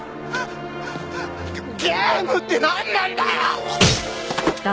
ゲームってなんなんだよ！？